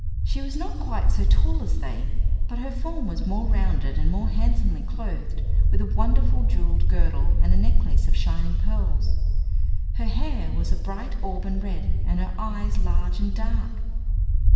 She was not quite so tall as they, but her form was more rounded and more handsomely clothed, with a wonderful jeweled girdle and a necklace of shining pearls. Her hair was a bright auburn red, and her eyes large and dark.